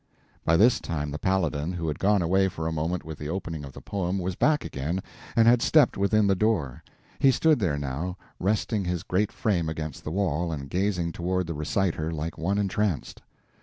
By this time the Paladin, who had gone away for a moment with the opening of the poem, was back again, and had stepped within the door. He stood there now, resting his great frame against the wall and gazing toward the reciter like one entranced.